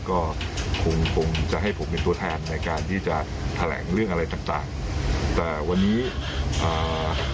ก็คงคงจะให้ผมเป็นตัวแทนในการที่จะแถลงเรื่องอะไรต่างต่างแต่วันนี้อ่า